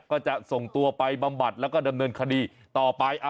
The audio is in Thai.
ก็จะส่งตัวไปบำบัดแล้วก็ดำเนินคดีต่อไป